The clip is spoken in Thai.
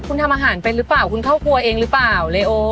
คุณทำอาหารเป็นหรือเปล่าคุณเข้าครัวเองหรือเปล่าเรโอ